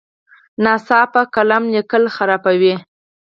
ناصاف قلم لیکل خرابوي.